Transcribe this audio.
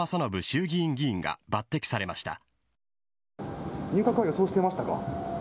衆議院議員が抜擢されました。